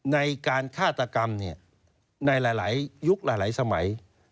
ในการฆาตกรรมในหลายยุคหลายสมัย